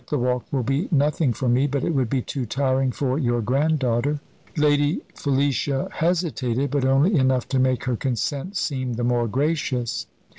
The walk will be nothing for me; but it would be too tiring for your granddaughter." Lady Felicia hesitated, but only enough to make her consent seem the more gracious.